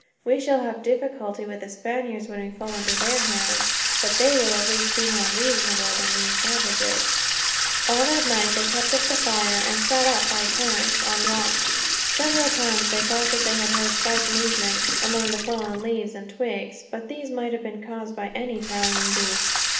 We shall have difficulty with the Spaniards, when we fall into their hands; but they will at least be more reasonable than these savages." All night they kept up their fire, and sat up by turns, on watch. Several times they thought that they heard slight movements, among the fallen leaves and twigs; but these might have been caused by any prowling beast.